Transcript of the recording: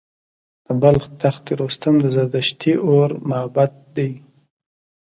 د بلخ تخت رستم د زردشتي اور معبد دی